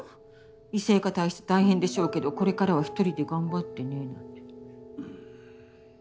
異性化体質大変でしょうけどこれからは一人で頑張ってねなんて。